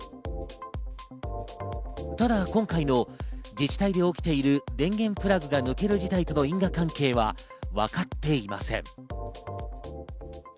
ただ今回の自治体で起きている電源プラグが抜ける事態との因果関係は分かっていません。